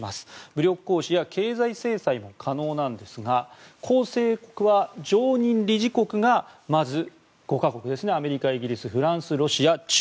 武力行使や経済制裁も可能なんですが構成国は常任理事国がまず５か国アメリカ、ロシア、中国イギリス、フランスとあります。